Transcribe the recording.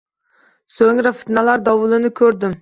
So‘ngra fitnalar dovulini ko‘rdim.